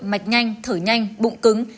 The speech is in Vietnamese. mạch nhanh thở nhanh bụng cứng